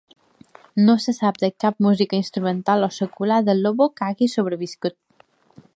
No se sap de cap música instrumental o secular de Lobo que hagi sobreviscut.